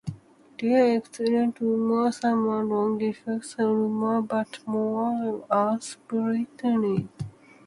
They are excellent runners: some are long-distance runners, but more commonly are sprinters.